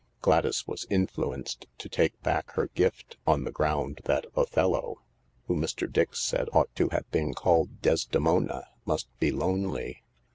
Gladys was "influenced " to take back her gift, on the ground that Othello — who, Mr. Dix said, ought to have been called Des demona — must be lonely.